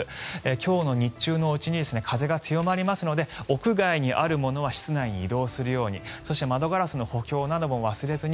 今日の日中のうちに風が強まりますので屋外にあるものは室外に移動するようにそして、窓ガラスの補強なども忘れずに。